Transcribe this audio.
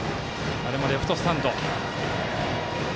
あれもレフトスタンド。